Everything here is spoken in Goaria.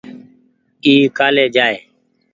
اي ڪآلي جآئي۔